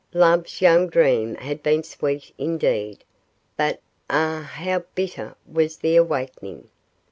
Love's young dream had been sweet indeed; but, ah! how bitter was the awakening.